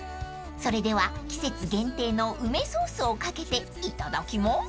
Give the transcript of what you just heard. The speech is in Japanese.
［それでは季節限定の梅ソースを掛けていただきます］